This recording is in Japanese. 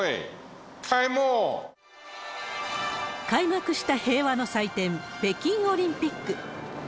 開幕した平和の祭典、北京オリンピック。